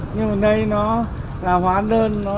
nhưng mà đây nó là hóa đơn nó lấy